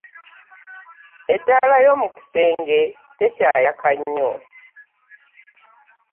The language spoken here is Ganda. Ettaala y'omukisenge tekyayaka nnyo.